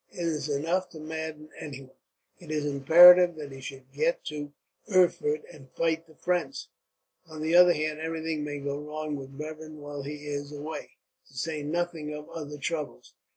It is enough to madden anyone. It is imperative that he should get to Erfurt, and fight the French. On the other hand, everything may go wrong with Bevern while he is away, to say nothing of other troubles.